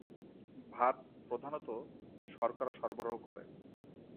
ভাত প্রধানত শর্করা সরবরাহ করে।